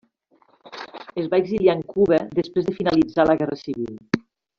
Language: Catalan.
Es va exiliar en Cuba després de finalitzar la guerra civil.